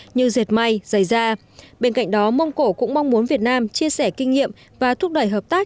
như dệt may dày da bên cạnh đó mông cổ cũng mong muốn việt nam chia sẻ kinh nghiệm và thúc đẩy hợp tác